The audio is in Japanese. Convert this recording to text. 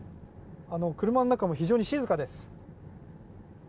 車の中も非常に静かです。